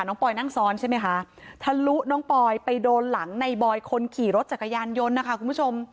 ปอยนั่งซ้อนใช่ไหมคะทะลุน้องปอยไปโดนหลังในบอยคนขี่รถจักรยานยนต์นะคะคุณผู้ชม